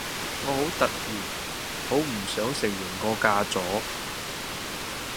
我突然好唔想承認我嫁咗